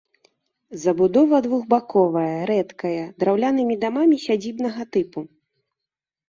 Забудова двухбаковая, рэдкая, драўлянымі дамамі сядзібнага тыпу.